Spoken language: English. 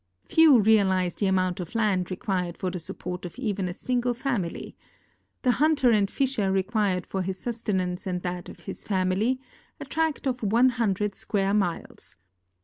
Few realize the amount of land required for the support of even a single family; the hunter and fisher required for his sustenance and that of his family a tract of one hundred square miles.